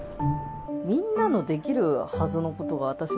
「みんなのできるはずのことが私はできない」。